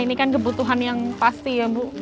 ini kan kebutuhan yang pasti ya bu